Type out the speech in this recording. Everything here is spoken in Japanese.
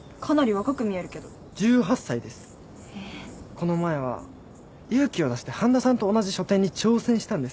この前は勇気を出して半田さんと同じ書展に挑戦したんです。